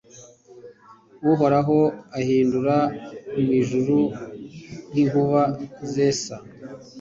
Uhoraho ahindira mu ijuru nk’inkuba zesa